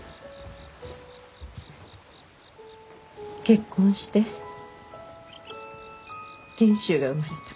結婚して賢秀が生まれた。